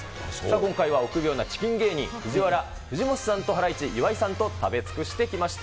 今回は臆病なチキン芸人、ＦＵＪＩＷＡＲＡ・藤本さんとハライチ・岩井さんと食べ尽くしてきました。